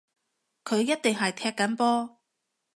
佢一定係踢緊波